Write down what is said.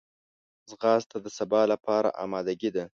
ځغاسته د سبا لپاره آمادګي ده